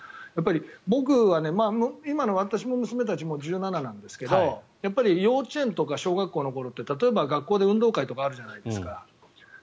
僕は、今の私の娘たちも１７歳なんですけどやっぱり幼稚園とか小学校の頃って例えば、学校で運動会とかあるじゃないですか。